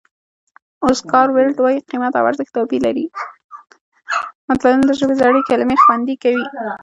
متلونه د ژبې زړې کلمې خوندي کوي